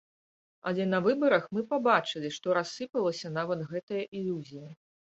Але на выбарах мы пабачылі, што рассыпалася нават гэтая ілюзія.